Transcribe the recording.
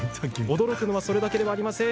驚くのはそれだけではありません。